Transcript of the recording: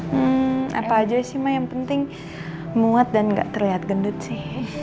hmm apa aja sih mah yang penting muat dan gak terlihat gendut sih